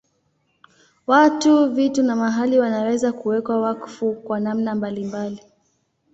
Watu, vitu na mahali wanaweza kuwekwa wakfu kwa namna mbalimbali.